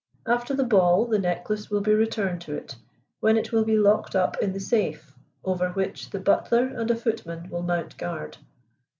After the ball the necklace will be returned to it, when it will be locked up in the safe, over which the butler and a footman will mount guard.